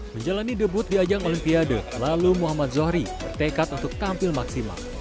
menjalani debut di ajang olimpiade lalu muhammad zohri bertekad untuk tampil maksimal